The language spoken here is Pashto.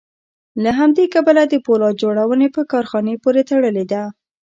له همدې کبله د پولاد جوړونې په کارخانې پورې تړلې ده